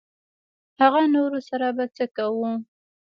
هغه نورو سره به څه کوو.